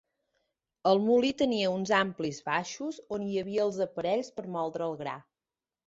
El molí tenia uns amplis baixos on hi havia els aparells per moldre el gra.